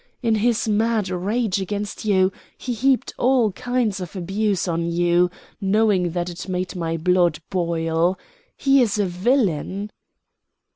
In his mad rage against you he heaped all kinds of abuse on you, knowing that it made my blood boil. He is a villain."